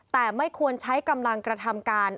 แต่ไม่ควรใช้กำลังกระทำการ